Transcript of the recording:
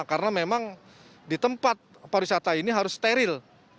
karena memang di tempat pariwisata ini harus steril